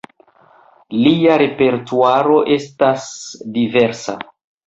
Lia repertuaro estas diversa.